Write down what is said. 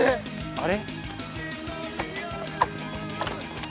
あれ？